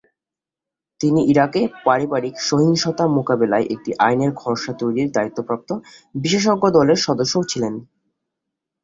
তিনি ইরাকে পারিবারিক সহিংসতা মোকাবিলায় একটি আইনের খসড়া তৈরির দায়িত্বপ্রাপ্ত বিশেষজ্ঞ দলের সদস্যও ছিলেন।